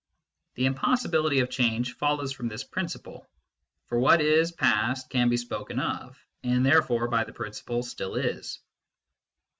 The impossi bility of change follows from this principle ; for what is past can be spoken of, and therefore, by the principle, still is.